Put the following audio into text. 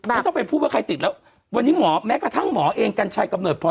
ไม่ต้องไปพูดว่าใครติดแล้ววันนี้หมอแม้กระทั่งหมอเองกัญชัยกำเนิดพอ